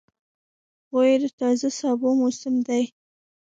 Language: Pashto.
غویی د تازه سابو موسم دی.